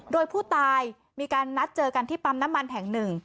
โดยผู้ตายมีการนัดเจอกันที่ปั๊มน้ำมันแห่งหนึ่ง